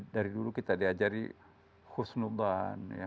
dari dulu kita diajari husnuban